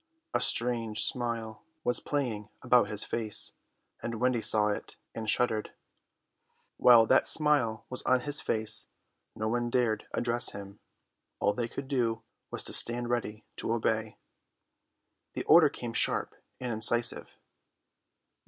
A strange smile was playing about his face, and Wendy saw it and shuddered. While that smile was on his face no one dared address him; all they could do was to stand ready to obey. The order came sharp and incisive.